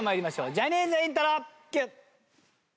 ジャニーズイントロＱ。